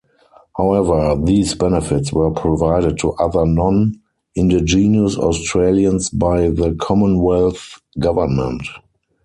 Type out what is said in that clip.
However, these benefits were provided to other non-Indigenous Australians by the Commonwealth Government.